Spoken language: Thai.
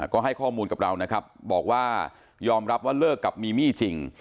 ก็ให้ข้อมูลกับเรานะครับบอกว่ายอมรับว่าเลิกกับมีมี่จริง